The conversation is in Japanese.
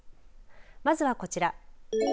まずはこちら。